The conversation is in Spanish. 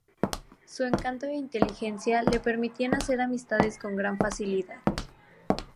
Su encanto e inteligencia le permitían hacer amistades con gran facilidad.